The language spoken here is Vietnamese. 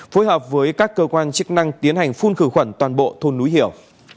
phối hợp với các cơ quan chức năng tiến hành phun khử khuẩn toàn bộ thôn núi hiểu